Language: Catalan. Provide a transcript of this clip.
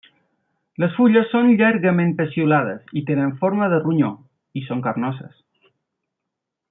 Les fulles són llargament peciolades i tenen forma de ronyó i són carnoses.